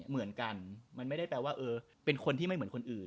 เหมือนกันมันไม่ได้แปลว่าเป็นคนที่ไม่เหมือนคนอื่น